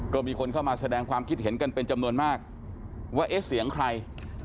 ก็มีคนเข้ามาแสดงความคิดเห็นกันเป็นจำนวนมากว่าเอ๊ะเสียงใคร